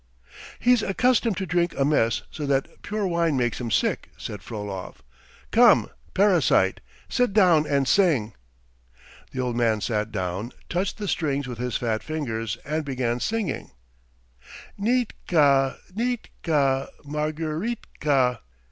"He's accustomed to drink a mess so that pure wine makes him sick," said Frolov. "Come, parasite, sit down and sing." The old man sat down, touched the strings with his fat fingers, and began singing: "Neetka, neetka, Margareetka. ..."